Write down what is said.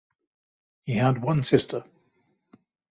He had one sister.